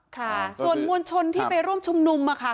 ค่ะส่วนมวลชนที่ไปร่วมชุมนุมค่ะ